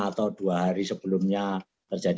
atau dua hari sebelumnya terjadi